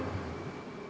udah seperti rumah kedua